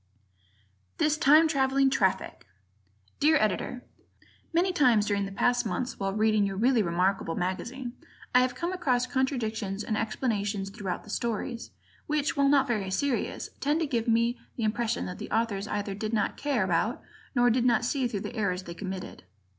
This Time Traveling Traffic Dear Editor: Many times during the past months, while reading your really remarkable magazine, I have come across contradictions in explanations throughout the stories, which, while not very serious, tend to give me the impression that the Authors either did not care about or did not see through the errors they committed.